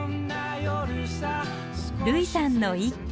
類さんの一句。